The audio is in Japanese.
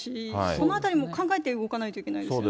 そのあたりも考えて動かないといけないですね。